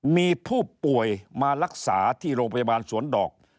มีผู้ป่วยมารักษาที่โรงพยาบาลสวนดอก